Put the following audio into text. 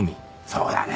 そうだね。